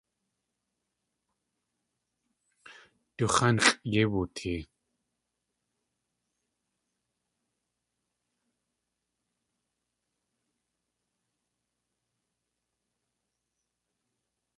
Du x̲ánxʼ yéi wootee.